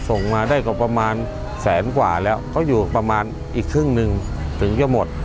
ส่งมาได้ก็ประมาณแสนกว่าแล้วเขาอยู่ประมาณอีกครึ่งหนึ่งถึงจะหมด